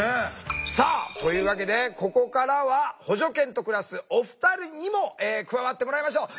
さあというわけでここからは補助犬と暮らすお二人にも加わってもらいましょう。